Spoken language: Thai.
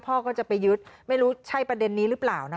พ่อก็จะไปยึดไม่รู้ใช่ประเด็นนี้หรือเปล่านะคะ